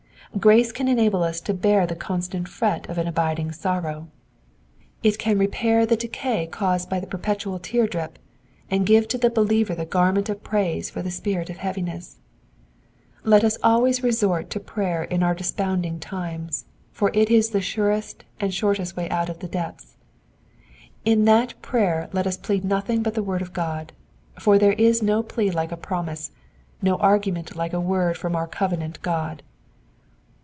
Grace can enable us to bear the constant fret of an abiding sorrow, it can Digitized by VjOOQIC 72 EXPOSITIONS OF THE PSALMS, repair the decay caused by the perpetual tear drip, and griye to the believer the garment of praise for the spirit of heaviness. Let us always resort to prayer in our desponding times, for it is the surest and shortest way out of the depths. In that prayer let us plead nothing but the word of God ; for there is no plea like a promise, no argument like a word from our covenant God.